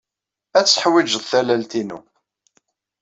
Ad teḥwijeḍ tallalt-inu.